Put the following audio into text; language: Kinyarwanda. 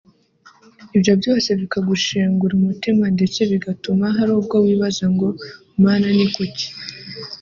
ibyo byose bikagushengura umutima ndetse bigatuma hari ubwo wibaza ngo “Mana ni kuki